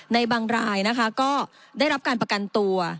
ในบางรายนะคะก็ได้รับการประกันตัว